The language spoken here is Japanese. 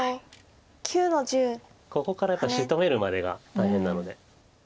ここからやっぱしとめるまでが大変なので。